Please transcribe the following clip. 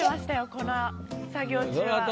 この作業中は。